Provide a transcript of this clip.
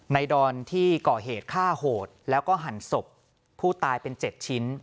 ดอนที่ก่อเหตุฆ่าโหดแล้วก็หั่นศพผู้ตายเป็น๗ชิ้น